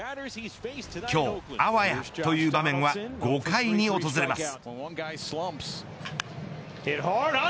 今日あわやという場面は５回に訪れます。